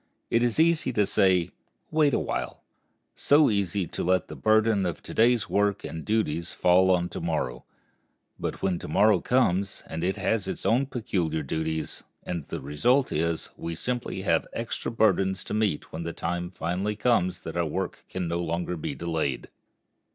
It is easy to say, "Wait awhile;" so easy to let the burden of to day's work and duties fall on to morrow. But when to morrow comes it has its own peculiar duties, and the result is, we simply have extra burdens to meet when the time finally comes that our work can no longer be delayed.